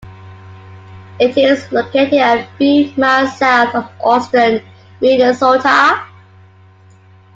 It is located a few miles south of Austin, Minnesota.